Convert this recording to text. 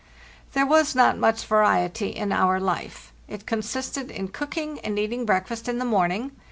There was not much variety in our life. It consisted in cooking and eating breakfast in the morning.